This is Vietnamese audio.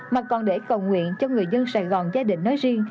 mà còn để cầu nguyện cho người dân sài gòn gia đình nói riêng